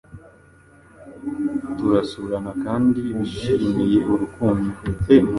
turasurana kandi bishimiye urukundo